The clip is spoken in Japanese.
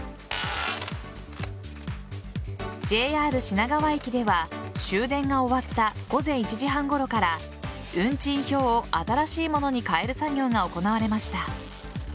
ＪＲ品川駅では終電が終わった午前１時半ごろから運賃表を新しいものに替える作業が行われました。